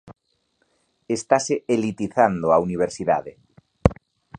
Estase 'elitizando' a Universidade?